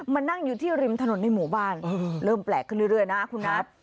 มานั่งอยู่ที่ริมถนนในหมู่บ้านเริ่มแปลกขึ้นเรื่อยนะคุณนัท